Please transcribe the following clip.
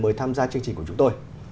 mời tham gia chương trình của chúng tôi